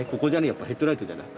やっぱヘッドライトじゃない？